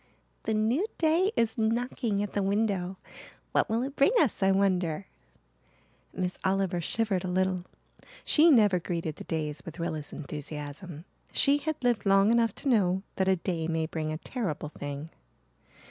"The new day is knocking at the window. What will it bring us, I wonder." Miss Oliver shivered a little. She never greeted the days with Rilla's enthusiasm. She had lived long enough to know that a day may bring a terrible thing.